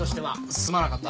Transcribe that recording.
すまなかった。